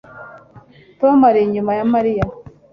Tom ari inyuma ya Mariya